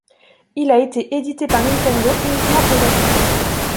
Il a été édité par Nintendo uniquement au Japon.